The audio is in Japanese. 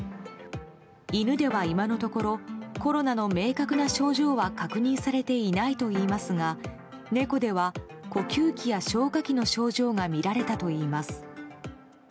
犬では今のところコロナの明確な症状は確認されていないといいますが猫では呼吸器や消化器の症状が見られたといいます。